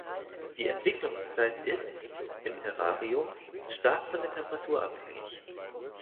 Die Entwicklungszeit ist, im Terrarium, stark von der Temperatur abhängig.